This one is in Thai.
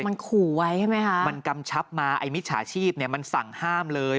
มันขู่ไว้ใช่ไหมคะมันกำชับมาไอ้มิจฉาชีพเนี่ยมันสั่งห้ามเลย